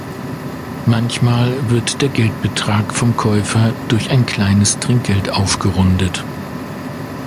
Manchmal wird der Geldbetrag vom Käufer durch ein kleines Trinkgeld aufgerundet.